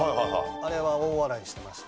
あれは大笑いしてました。